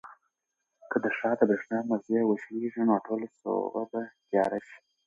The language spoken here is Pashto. که د ښار د برېښنا مزي وشلېږي نو ټوله سوبه به تیاره شي.